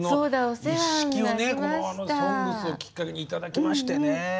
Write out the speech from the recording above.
「ＳＯＮＧＳ」をきっかけに頂きましてね。